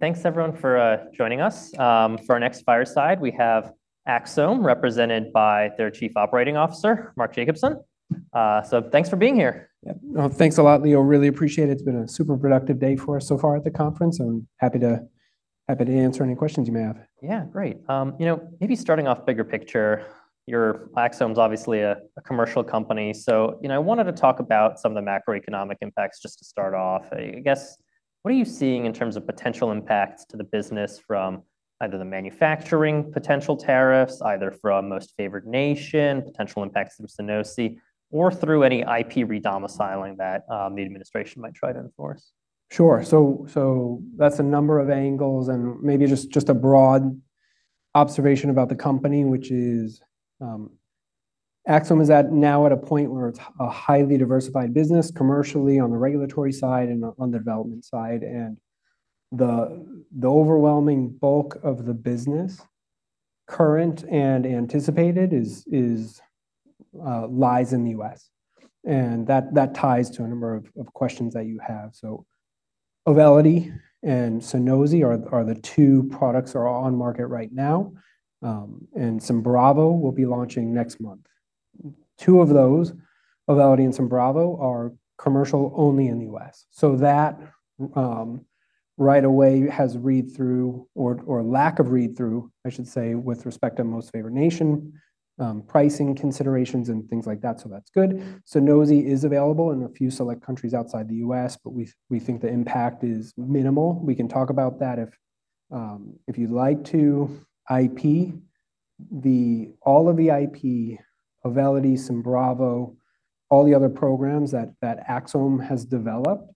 Thanks, everyone, for joining us. For our next Fireside, we have Axsome represented by their Chief Operating Officer, Mark Jacobson. Thanks for being here. Thanks a lot, Leo. Really appreciate it. It's been a super productive day for us so far at the conference. I'm happy to answer any questions you may have. Yeah, great. You know, maybe starting off bigger picture, Axsome's obviously a commercial company. I wanted to talk about some of the macroeconomic impacts just to start off. I guess, what are you seeing in terms of potential impacts to the business from either the manufacturing potential tariffs, either from most favored nation, potential impacts through SUNOSI, or through any IP redomiciling that the administration might try to enforce? Sure. That is a number of angles. Maybe just a broad observation about the company, which is Axsome is now at a point where it is a highly diversified business commercially, on the regulatory side, and on the development side. The overwhelming bulk of the business, current and anticipated, lies in the U.S. That ties to a number of questions that you have. AUVELITY and SUNOSI are the two products that are on market right now. SYMBRAVO will be launching next month. Two of those, AUVELITY and SYMBRAVO, are commercial only in the U.S. That right away has read-through, or lack of read-through, I should say, with respect to most favored nation, pricing considerations, and things like that. That is good. SUNOSI is available in a few select countries outside the U.S. We think the impact is minimal. We can talk about that if you'd like to. IP, all of the IP, AUVELITY, SYMBRAVO, all the other programs that Axsome has developed,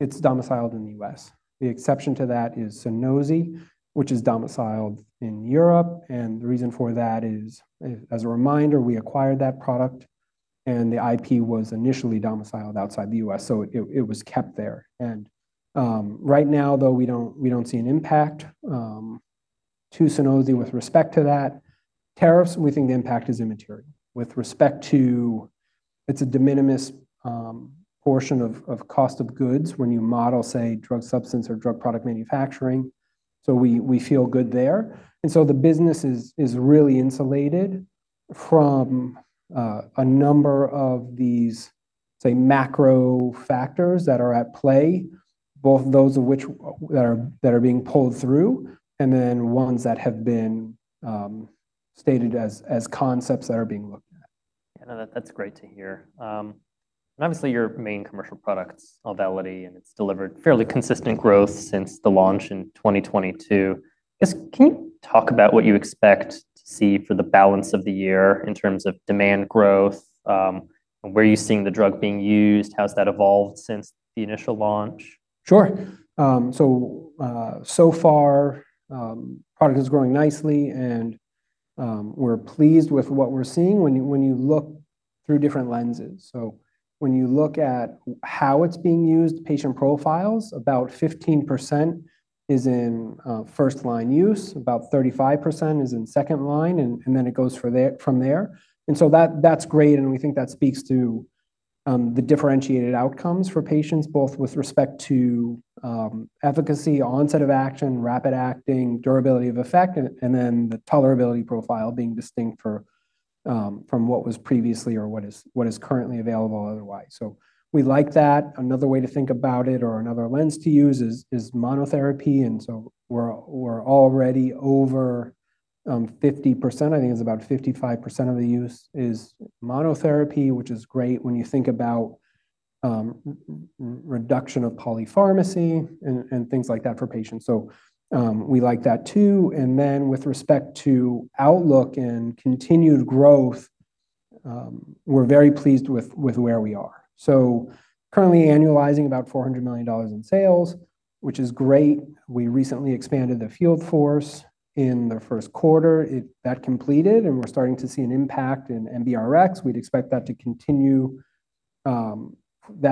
it's domiciled in the U.S. The exception to that is SUNOSI, which is domiciled in Europe. The reason for that is, as a reminder, we acquired that product. The IP was initially domiciled outside the U.S., so it was kept there. Right now, though, we don't see an impact to SUNOSI with respect to that. Tariffs, we think the impact is immaterial. With respect to, it's a de minimis portion of cost of goods when you model, say, drug substance or drug product manufacturing. We feel good there. The business is really insulated from a number of these, say, macro factors that are at play, both those of which that are being pulled through and then ones that have been stated as concepts that are being looked at. Yeah, no, that's great to hear. Obviously, your main commercial product's AUVELITY. It's delivered fairly consistent growth since the launch in 2022. Can you talk about what you expect to see for the balance of the year in terms of demand growth? Where are you seeing the drug being used? How's that evolved since the initial launch? Sure. So far, product is growing nicely. We are pleased with what we are seeing when you look through different lenses. When you look at how it is being used, patient profiles, about 15% is in first-line use. About 35% is in second-line. It goes from there. That is great. We think that speaks to the differentiated outcomes for patients, both with respect to efficacy, onset of action, rapid acting, durability of effect, and the tolerability profile being distinct from what was previously or what is currently available otherwise. We like that. Another way to think about it or another lens to use is monotherapy. We are already over 50%. I think it is about 55% of the use is monotherapy, which is great when you think about reduction of polypharmacy and things like that for patients. We like that, too. With respect to outlook and continued growth, we're very pleased with where we are. Currently annualizing about $400 million in sales, which is great. We recently expanded the field force in the first quarter. That completed. We're starting to see an impact in MBRX. We'd expect that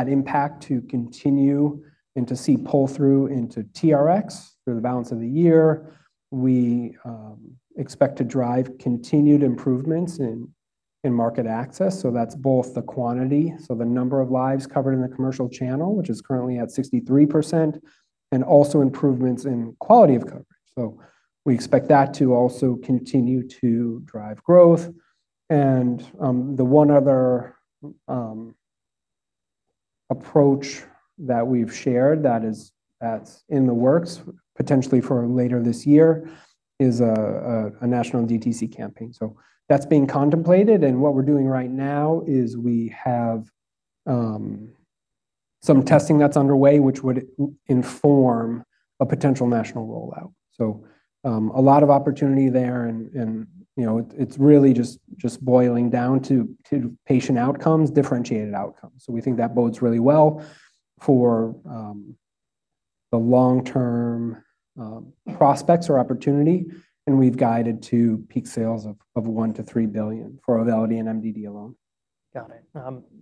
impact to continue and to see pull-through into TRX through the balance of the year. We expect to drive continued improvements in market access. That's both the quantity, so the number of lives covered in the commercial channel, which is currently at 63%, and also improvements in quality of coverage. We expect that to also continue to drive growth. The one other approach that we've shared that's in the works potentially for later this year is a national DTC campaign. That's being contemplated. What we're doing right now is we have some testing that's underway, which would inform a potential national rollout. A lot of opportunity there. It's really just boiling down to patient outcomes, differentiated outcomes. We think that bodes really well for the long-term prospects or opportunity. We've guided to peak sales of $1 billion-$3 billion for AUVELITY in MDD alone. Got it.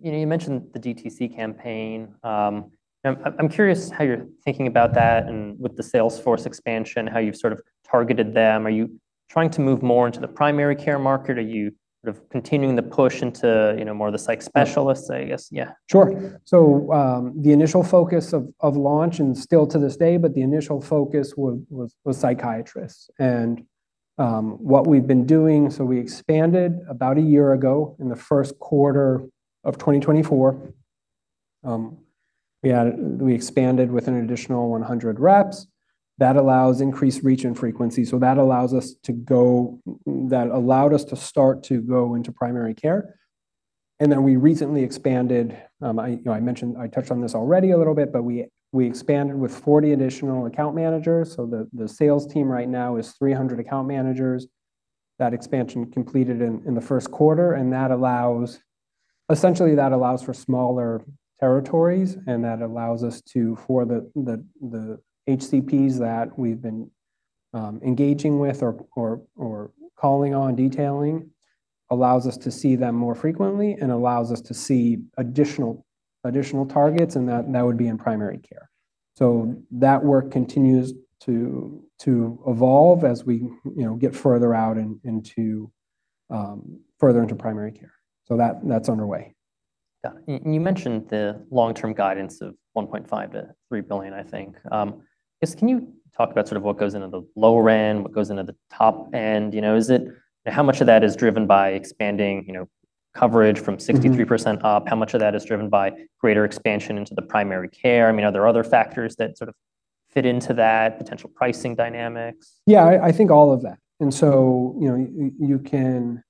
You mentioned the DTC campaign. I'm curious how you're thinking about that and with the sales force expansion, how you've sort of targeted them. Are you trying to move more into the primary care market? Are you continuing the push into more of the psych specialists, I guess? Yeah. Sure. The initial focus of launch and still to this day, but the initial focus was psychiatrists. What we've been doing, we expanded about a year ago in the first quarter of 2024. We expanded with an additional 100 reps. That allows increased reach and frequency. That allowed us to start to go into primary care. We recently expanded. I touched on this already a little bit, but we expanded with 40 additional account managers. The sales team right now is 300 account managers. That expansion completed in the first quarter. Essentially, that allows for smaller territories. That allows us to, for the HCPs that we've been engaging with or calling on, detailing, allows us to see them more frequently and allows us to see additional targets. That would be in primary care. That work continues to evolve as we get further out into further into primary care. That's underway. Got it. You mentioned the long-term guidance of $1.5 billion-$3 billion, I think. Can you talk about sort of what goes into the lower end, what goes into the top end? How much of that is driven by expanding coverage from 63% up? How much of that is driven by greater expansion into the primary care? I mean, are there other factors that sort of fit into that, potential pricing dynamics? Yeah, I think all of that. You can,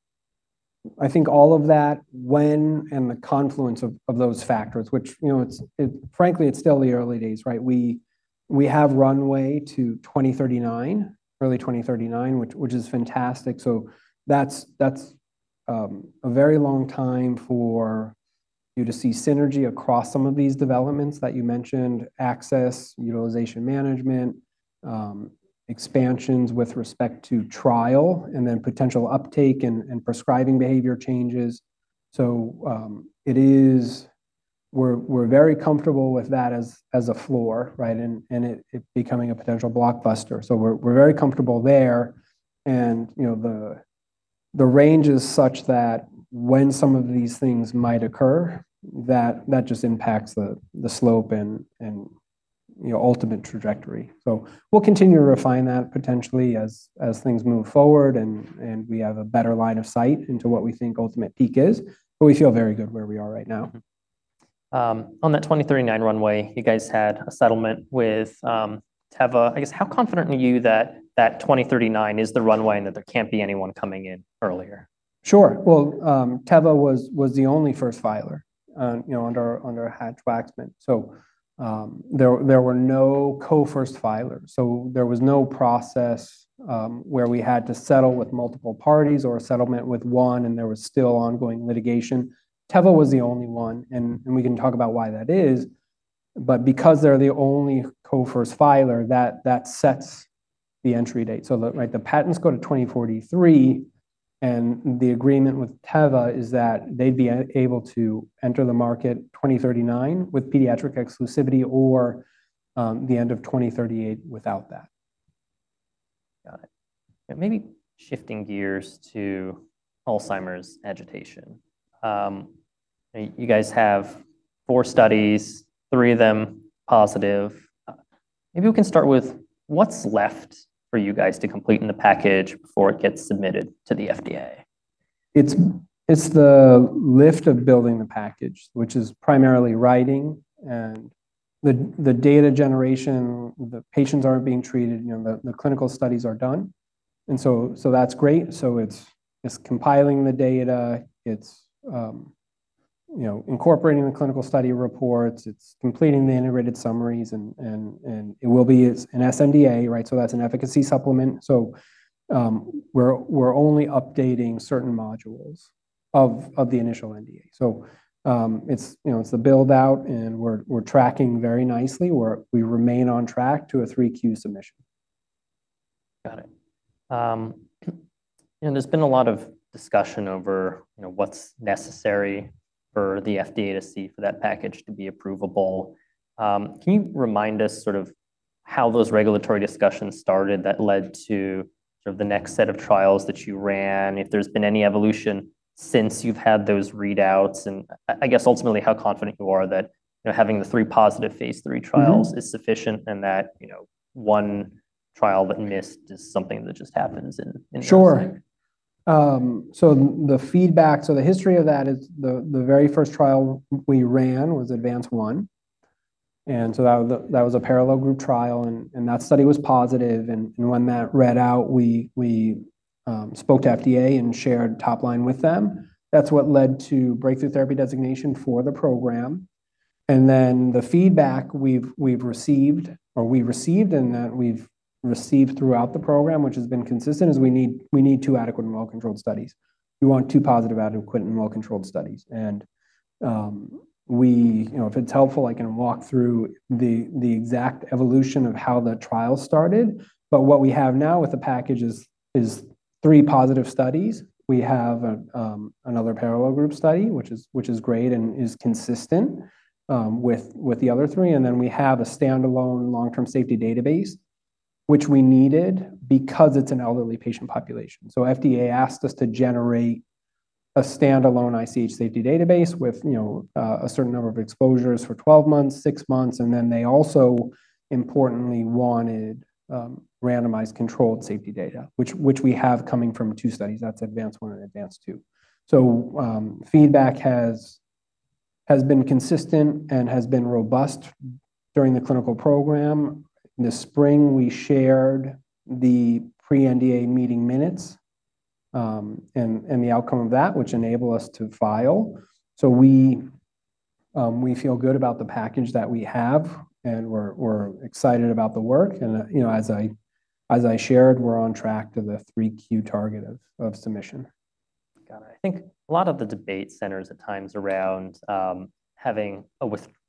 I think, all of that when the confluence of those factors, which frankly, it's still the early days, right? We have runway to 2039, early 2039, which is fantastic. That's a very long time for you to see synergy across some of these developments that you mentioned, access, utilization management, expansions with respect to trial, and then potential uptake and prescribing behavior changes. We're very comfortable with that as a floor, right, and it becoming a potential blockbuster. We're very comfortable there. The range is such that when some of these things might occur, that just impacts the slope and ultimate trajectory. We'll continue to refine that potentially as things move forward. We have a better line of sight into what we think ultimate peak is. We feel very good where we are right now. On that 2039 runway, you guys had a settlement with Teva. I guess, how confident are you that that 2039 is the runway and that there can't be anyone coming in earlier? Sure. Teva was the only first filer under Hatch-Waxman. There were no co-first filers. There was no process where we had to settle with multiple parties or a settlement with one. There was still ongoing litigation. Teva was the only one. We can talk about why that is. Because they are the only co-first filer, that sets the entry date. The patents go to 2043. The agreement with Teva is that they would be able to enter the market in 2039 with pediatric exclusivity or the end of 2038 without that. Got it. Maybe shifting gears to Alzheimer's agitation. You guys have four studies, three of them positive. Maybe we can start with what's left for you guys to complete in the package before it gets submitted to the FDA? It's the lift of building the package, which is primarily writing. The data generation, the patients aren't being treated. The clinical studies are done. That's great. It's compiling the data. It's incorporating the clinical study reports. It's completing the integrated summaries. It will be an sNDA, right? That's an efficacy supplement. We're only updating certain modules of the initial NDA. It's the build-out. We're tracking very nicely. We remain on track to a 3Q submission. Got it. There's been a lot of discussion over what's necessary for the FDA to see for that package to be approvable. Can you remind us sort of how those regulatory discussions started that led to the next set of trials that you ran? If there's been any evolution since you've had those readouts? I guess, ultimately, how confident you are that having the three positive phase three trials is sufficient and that one trial that missed is something that just happens in the next thing? Sure. The feedback, the history of that is the very first trial we ran was ADVANCE-1. That was a parallel group trial. That study was positive. When that read out, we spoke to FDA and shared top line with them. That is what led to breakthrough therapy designation for the program. The feedback we've received, or we received and that we've received throughout the program, which has been consistent, is we need two adequate and well-controlled studies. We want two positive, adequate, and well-controlled studies. If it's helpful, I can walk through the exact evolution of how the trial started. What we have now with the package is three positive studies. We have another parallel group study, which is great and is consistent with the other three. We have a standalone long-term safety database, which we needed because it is an elderly patient population. FDA asked us to generate a standalone ICH safety database with a certain number of exposures for 12 months, 6 months. They also, importantly, wanted randomized controlled safety data, which we have coming from two studies. That is ADVANCE-1 and ADVANCE-2. Feedback has been consistent and has been robust during the clinical program. This spring, we shared the pre-NDA meeting minutes and the outcome of that, which enabled us to file. We feel good about the package that we have. We are excited about the work. As I shared, we are on track to the 3Q target of submission. Got it. I think a lot of the debate centers at times around having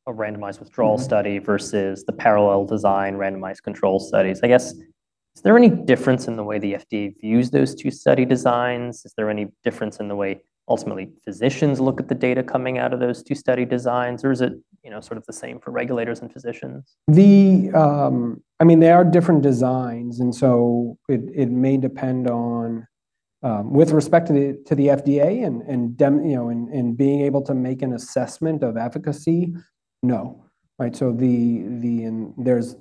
a randomized withdrawal study versus the parallel design randomized control studies. I guess, is there any difference in the way the FDA views those two study designs? Is there any difference in the way, ultimately, physicians look at the data coming out of those two study designs? Or is it sort of the same for regulators and physicians? I mean, they are different designs. It may depend on, with respect to the FDA and being able to make an assessment of efficacy, no. There is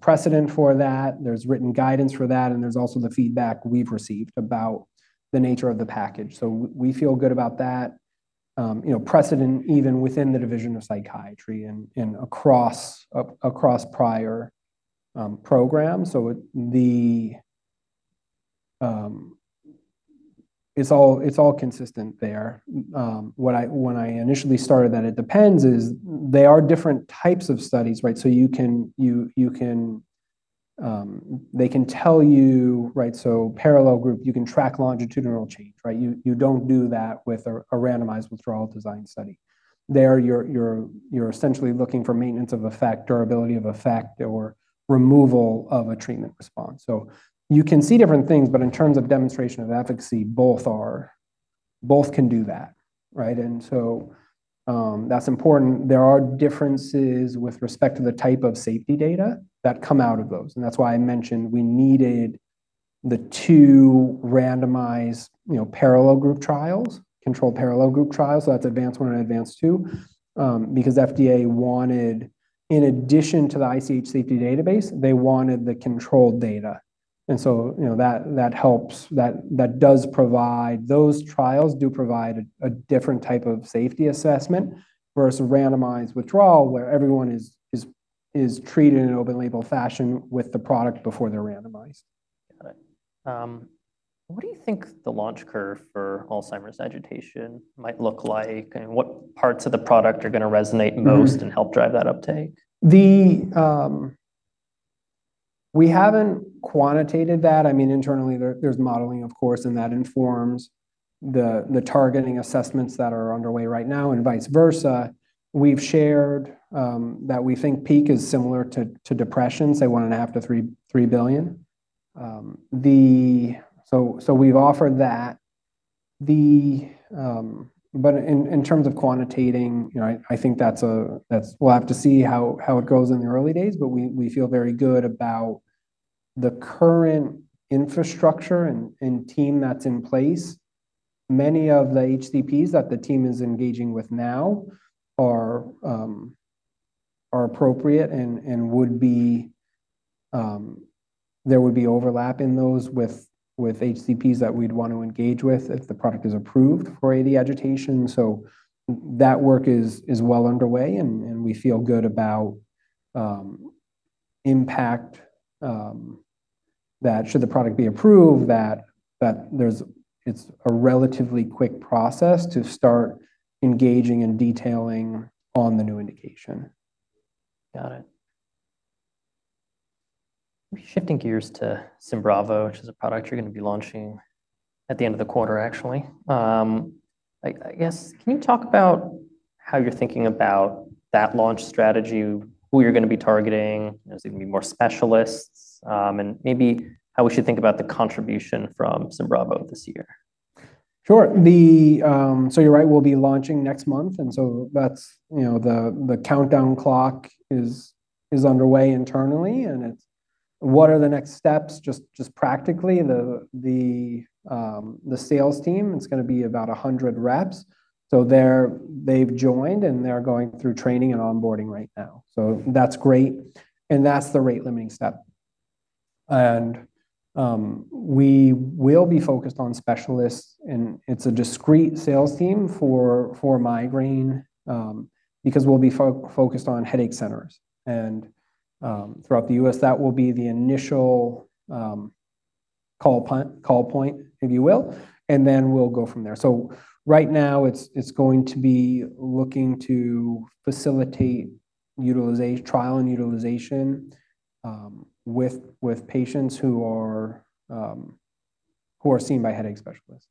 precedent for that. There is written guidance for that. There is also the feedback we've received about the nature of the package. We feel good about that, precedent even within the division of psychiatry and across prior programs. It is all consistent there. When I initially started, that it depends is they are different types of studies, right? They can tell you, right? Parallel group, you can track longitudinal change, right? You do not do that with a randomized withdrawal design study. There, you are essentially looking for maintenance of effect, durability of effect, or removal of a treatment response. You can see different things. In terms of demonstration of efficacy, both can do that, right? That's important. There are differences with respect to the type of safety data that come out of those. That's why I mentioned we needed the two randomized parallel group trials, controlled parallel group trials. That's ADVANCE-1 and ADVANCE-2. Because FDA wanted, in addition to the ICH safety database, they wanted the controlled data. That helps. That does provide, those trials do provide a different type of safety assessment versus randomized withdrawal where everyone is treated in an open label fashion with the product before they're randomized. Got it. What do you think the launch curve for Alzheimer's agitation might look like? What parts of the product are going to resonate most and help drive that uptake? We haven't quantitated that. I mean, internally, there's modeling, of course, and that informs the targeting assessments that are underway right now and vice versa. We've shared that we think peak is similar to depression, say, $1.5 billion-$3 billion. So we've offered that. In terms of quantitating, I think that's we'll have to see how it goes in the early days. We feel very good about the current infrastructure and team that's in place. Many of the HCPs that the team is engaging with now are appropriate and there would be overlap in those with HCPs that we'd want to engage with if the product is approved for AD agitation. That work is well underway. We feel good about impact that should the product be approved, that it's a relatively quick process to start engaging and detailing on the new indication. Got it. Shifting gears to SYMBRAVO, which is a product you're going to be launching at the end of the quarter, actually. I guess, can you talk about how you're thinking about that launch strategy, who you're going to be targeting? Is it going to be more specialists? And maybe how we should think about the contribution from SYMBRAVO this year? Sure. You're right. We'll be launching next month. The countdown clock is underway internally. What are the next steps, just practically? The sales team, it's going to be about 100 reps. They've joined, and they're going through training and onboarding right now. That's great. That's the rate limiting step. We will be focused on specialists. It's a discreet sales team for migraine because we'll be focused on headache centers. Throughout the U.S., that will be the initial call point, if you will. We'll go from there. Right now, it's going to be looking to facilitate trial and utilization with patients who are seen by headache specialists.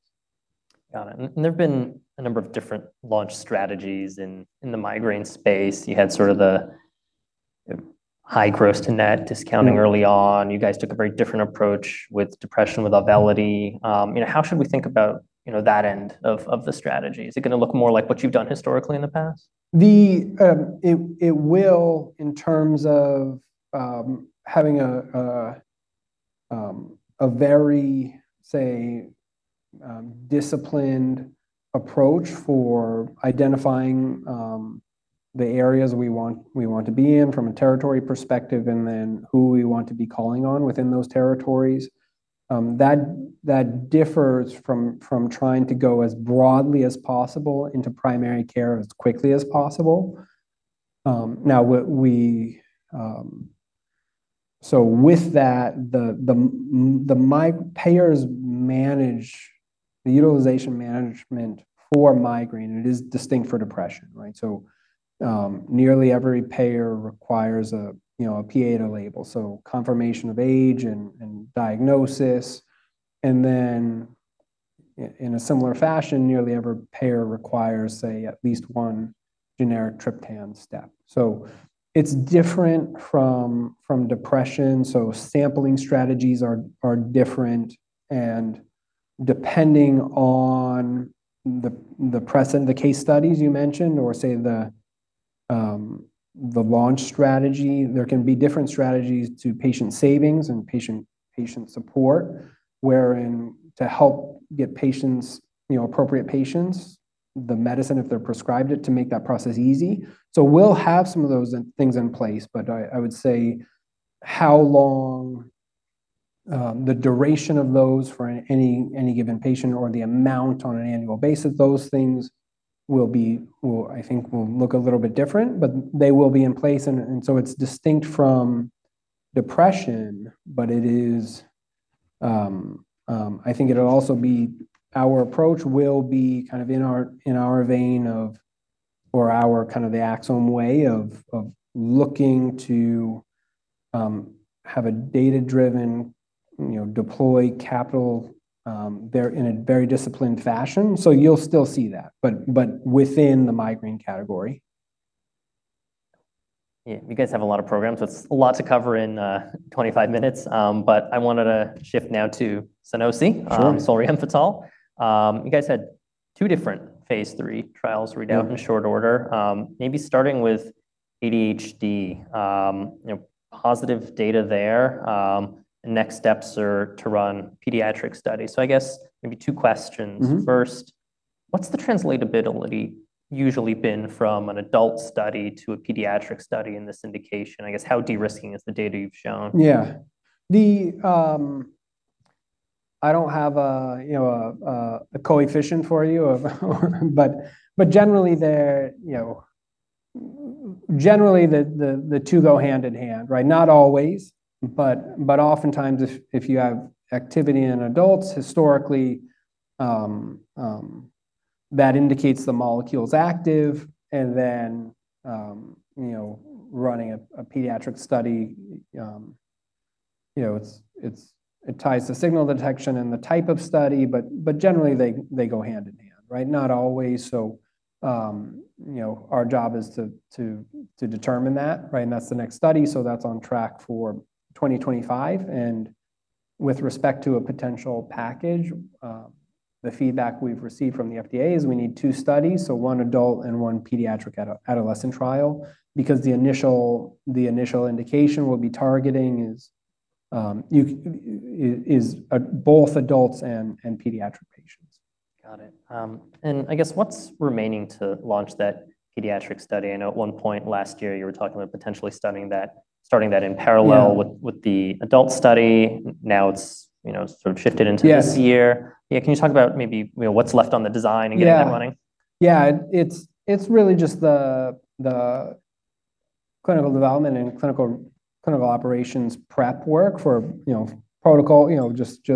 Got it. There have been a number of different launch strategies in the migraine space. You had sort of the high gross to net discounting early on. You guys took a very different approach with depression with AUVELITY. How should we think about that end of the strategy? Is it going to look more like what you've done historically in the past? It will in terms of having a very, say, disciplined approach for identifying the areas we want to be in from a territory perspective and then who we want to be calling on within those territories. That differs from trying to go as broadly as possible into primary care as quickly as possible. Now, with that, the payers manage the utilization management for migraine. It is distinct for depression, right? Nearly every payer requires a PA to label. Confirmation of age and diagnosis. In a similar fashion, nearly every payer requires, say, at least one generic triptan step. It is different from depression. Sampling strategies are different. Depending on the case studies you mentioned or, say, the launch strategy, there can be different strategies to patient savings and patient support wherein to help get appropriate patients the medicine, if they're prescribed it, to make that process easy. We'll have some of those things in place. I would say how long the duration of those for any given patient or the amount on an annual basis, those things will be, I think, will look a little bit different. They will be in place. It is distinct from depression. I think our approach will be kind of in our vein or our kind of the Axsome way of looking to have a data-driven deploy capital in a very disciplined fashion. You'll still see that, but within the migraine category. Yeah. You guys have a lot of programs. It's a lot to cover in 25 minutes. I wanted to shift now to SUNOSI, solriamfetol. You guys had two different phase III trials read out in short order, maybe starting with ADHD, positive data there. Next steps are to run pediatric studies. I guess maybe two questions. First, what's the translatability usually been from an adult study to a pediatric study in this indication? I guess, how de-risking is the data you've shown? Yeah. I don't have a coefficient for you. But generally, the two go hand in hand, right? Not always. But oftentimes, if you have activity in adults, historically, that indicates the molecule's active. And then running a pediatric study, it ties to signal detection and the type of study. But generally, they go hand in hand, right? Not always. Our job is to determine that, right? That's the next study. That's on track for 2025. With respect to a potential package, the feedback we've received from the FDA is we need two studies, one adult and one pediatric adolescent trial because the initial indication we'll be targeting is both adults and pediatric patients. Got it. I guess, what's remaining to launch that pediatric study? I know at one point last year, you were talking about potentially starting that in parallel with the adult study. Now, it's sort of shifted into this year. Yeah. Can you talk about maybe what's left on the design and getting that running? Yeah. It's really just the clinical development and clinical operations prep work for protocol, just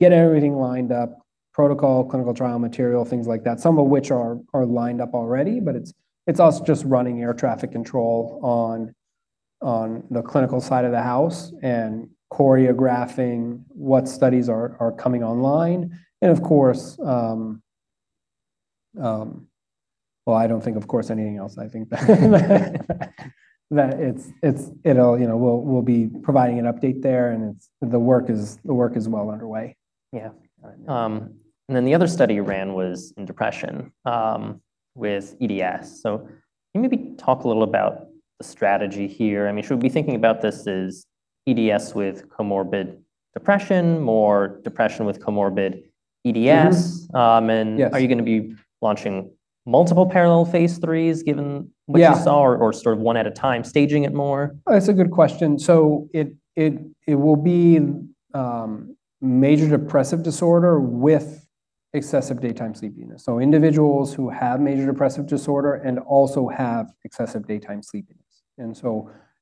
get everything lined up, protocol, clinical trial material, things like that, some of which are lined up already. It's us just running air traffic control on the clinical side of the house and choreographing what studies are coming online. Of course, I don't think, of course, anything else. I think that we'll be providing an update there. The work is well underway. Yeah. And then the other study you ran was in depression with EDS. Can you maybe talk a little about the strategy here? I mean, should we be thinking about this as EDS with comorbid depression, more depression with comorbid EDS? Are you going to be launching multiple parallel phase IIIs given what you saw or sort of one at a time, staging it more? That's a good question. It will be major depressive disorder with excessive daytime sleepiness. Individuals who have major depressive disorder and also have excessive daytime sleepiness.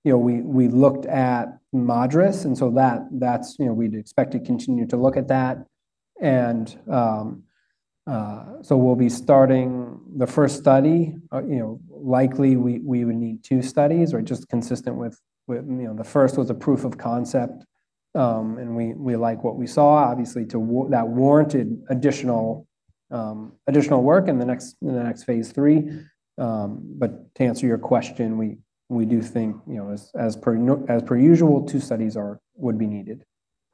We looked at MADRS. We'd expect to continue to look at that. We'll be starting the first study. Likely, we would need two studies, right, just consistent with the first was a proof of concept. We like what we saw. Obviously, that warranted additional work in the next phase III. To answer your question, we do think, as per usual, two studies would be needed.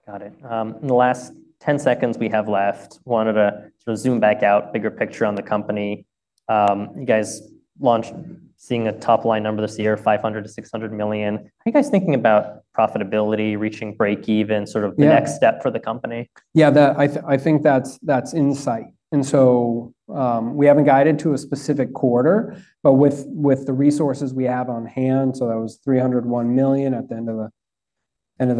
Got it. In the last 10 seconds we have left, wanted to sort of zoom back out, bigger picture on the company. You guys launched seeing a top line number this year, $500 million-$600 million. Are you guys thinking about profitability, reaching breakeven, sort of the next step for the company? Yeah. I think that's in sight. We haven't guided to a specific quarter. With the resources we have on hand, that was $301 million at the end of the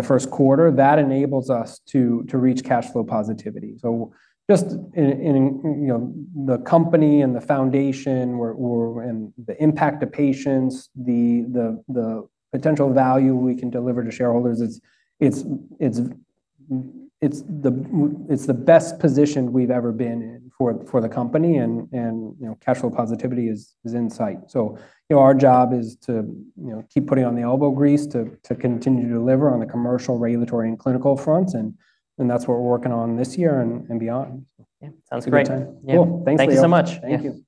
first quarter, that enables us to reach cash flow positivity. Just in the company and the foundation and the impact to patients, the potential value we can deliver to shareholders, it's the best position we've ever been in for the company. Cash flow positivity is in sight. Our job is to keep putting on the elbow grease to continue to deliver on the commercial, regulatory, and clinical fronts. That's what we're working on this year and beyond. Yeah. Sounds great. Anytime. Yeah. Thanks so much. Thank you.